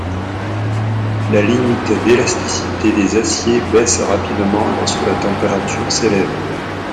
La limite d'élasticité des aciers baisse rapidement lorsque la température s'élève.